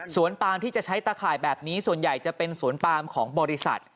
ปามที่จะใช้ตะข่ายแบบนี้ส่วนใหญ่จะเป็นสวนปามของบริษัท